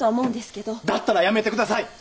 だったらやめてください。